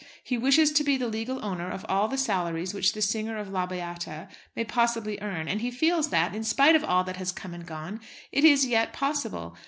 He wishes to be the legal owner of all the salaries which the singer of La Beata may possibly earn; and he feels that, in spite of all that has come and gone, it is yet possible.